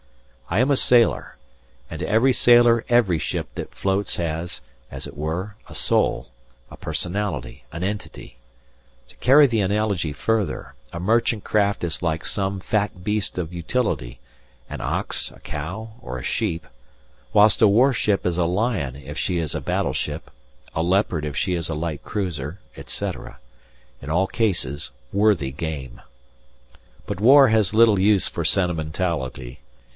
I am a sailor, and to every sailor every ship that floats has, as it were, a soul, a personality, an entity; to carry the analogy further, a merchant craft is like some fat beast of utility, an ox, a cow, or a sheep, whilst a warship is a lion if she is a battleship, a leopard if she is a light cruiser, etc.; in all cases worthy game. But War has little use for sentimentality!